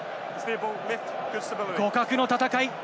互角の戦い。